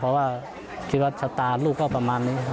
เพราะว่าคิดว่าชะตาลูกก็ประมาณนี้ครับ